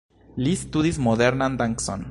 Li studis modernan dancon.